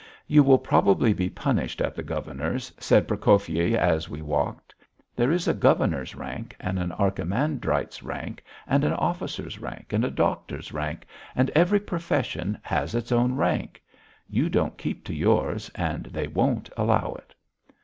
"You will probably be punished at the governor's," said Prokofyi as we walked. "There is a governor's rank, and an archimandrite's rank, and an officer's rank, and a doctor's rank, and every profession has its own rank. You don't keep to yours and they won't allow it."